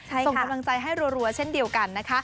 ส่งกำลังใจให้รัวเช่นเดียวกันนะคะ